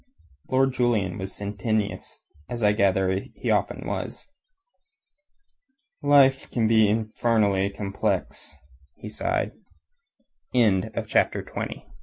Lord Julian was sententious, as I gather that he often was. "Life can be infernally complex," he sighed. CHAPT